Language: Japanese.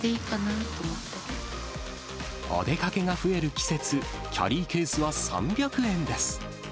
お出かけが増える季節、キャリーケースは３００円です。